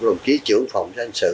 của đồng chí trưởng phòng xác hành sự